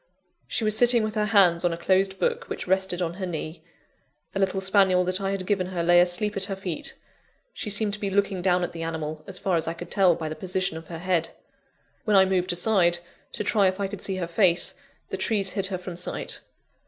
She was sitting with her hands on a closed book which rested on her knee. A little spaniel that I had given her lay asleep at her feet: she seemed to be looking down at the animal, as far as I could tell by the position of her head. When I moved aside, to try if I could see her face, the trees hid her from sight.